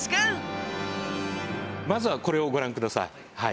まずはこれをご覧ください。